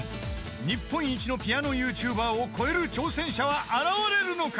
［日本一のピアノＹｏｕＴｕｂｅｒを超える挑戦者は現れるのか？］